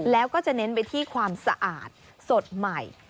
แล้วก็จะเน้นไปที่ความสะอาดสดใหม่